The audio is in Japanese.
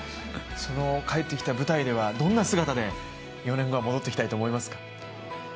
帰ってきた舞台ではどんな姿で４年後は戻ってきたいと思いますか。